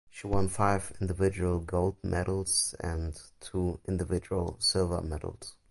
She won five individual gold medals and two individual silver medals.